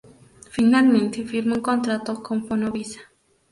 Finalmente, firmó un contrato con Fonovisa.